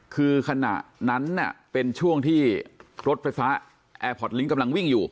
คือขณะนั้นเป็นช่วงที่รถไฟฟ้าแอร์พอร์ตลิงก์กำลังวิ่งอยู่